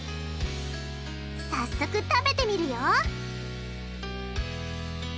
早速食べてみるよ！